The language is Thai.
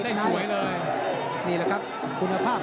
ตามต่อยกที่สองครับ